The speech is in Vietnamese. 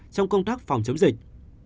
trong công tác phòng chống dịch